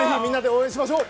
応援しましょう！